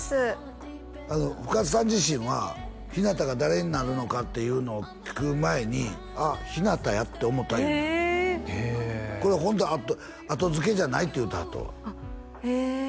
深津さん自身はひなたが誰になるのかっていうのを聞く前にあっひなたやって思った言うへえこれホント後付けじゃないって言うてはったわへえ